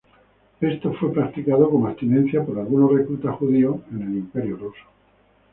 Esto fue practicado como abstinencia por algunos reclutas judíos en el Imperio ruso.